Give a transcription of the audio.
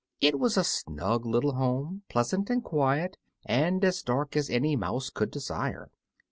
It was a snug little home, pleasant and quiet, and as dark as any mouse could desire.